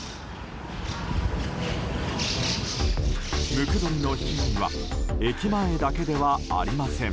ムクドリの被害は駅前だけではありません。